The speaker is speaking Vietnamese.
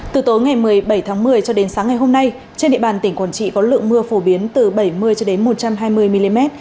từ tối ngày một mươi bảy tháng một mươi cho đến sáng ngày hôm nay trên địa bàn tỉnh quảng trị có lượng mưa phổ biến từ bảy mươi cho đến một trăm hai mươi mm